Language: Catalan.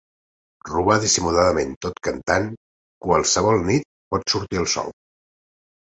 Robar dissimuladament tot cantant “Qualsevol nit pot sortir el sol”.